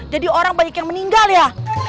orang banyak yang meninggal ya